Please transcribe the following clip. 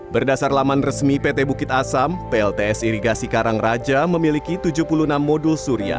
berdasar laman resmi pt bukit asam plts irigasi karangraja memiliki tujuh puluh enam modul surya